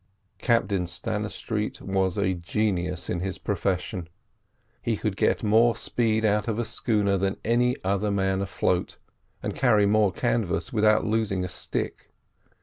Captain Stannistreet was a genius in his profession; he could get more speed out of a schooner than any other man afloat, and carry more canvas without losing a stick.